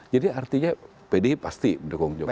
jadi artinya pdi pasti mendukung jokowi